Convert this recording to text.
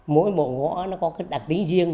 mỗi bộ gõ nó có cái đặc tính riêng